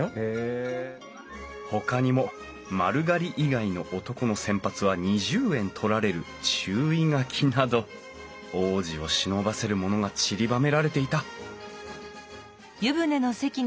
ほかにも丸刈り以外の男の洗髪は２０円取られる注意書きなど往事をしのばせるものがちりばめられていたハルさん。